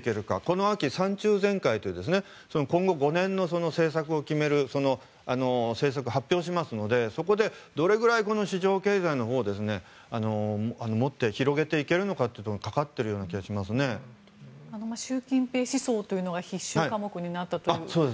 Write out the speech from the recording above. この秋、三中全会という今後５年の政策を決める政策を発表しますのでそこでどれぐらい市場経済のほうをもっと広げていけるのか習近平思想というのが必修科目になったという。